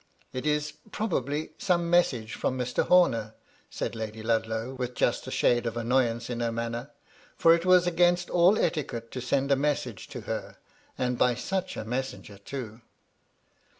" It is, probably, some message from Mr. Homer," said Lady Ludlow, with just a shade of annoyance in MY LADY LUDLOW. 87 her manner ; for it was against all etiquette to send a message to her, and by such a messenger too